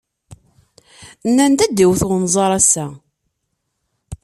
Nnan-d ad d-iwet unẓar ass-a.